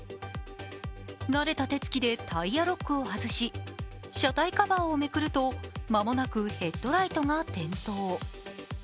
慣れた手つきでタイヤロックを外し、車体カバーをめくると間もなくヘッドライトが点灯。